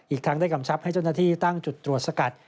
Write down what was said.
อีกทั้งได้กำชับให้เจ้าหน้าที่ตั้งจุดตรวจสกัด